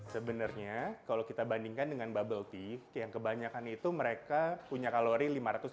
sebenarnya kalau kita bandingkan dengan bubble tea yang kebanyakan itu mereka punya kalori lima ratus